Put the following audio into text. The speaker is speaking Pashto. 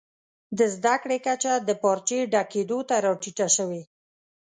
د زده کړي کچه د پارچې ډکېدو ته راټیټه سوې.